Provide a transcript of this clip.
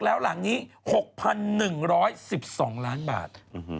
แล้วหลังนี้๖๑๑๒ล้านบาท